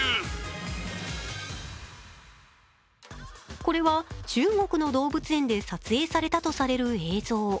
これは中国の動物園で撮影されたとされる映像。